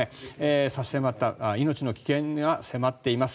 差し迫った命の危険が迫っています。